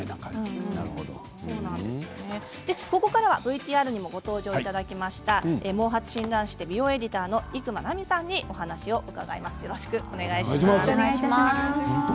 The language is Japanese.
ここからはＶＴＲにもご登場いただきました毛髪診断士で美容エディターの伊熊奈美さんにお話を伺います。